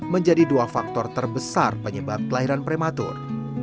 menjadi dua faktor terbesar penyebab kelahiran prematur